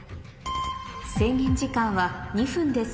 制限時間は２分です